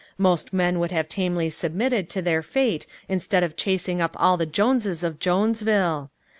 Most men would have tamely submitted to their fate instead of chasing up all the Joneses of Jonesville!